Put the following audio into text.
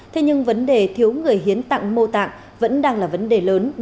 thế nhưng vấn đề thiếu người hiến tặng mô tạng vẫn đang là vấn đề lớn